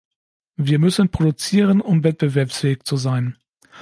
Wir müssen produzieren, um wettbewerbsfähig zu sein.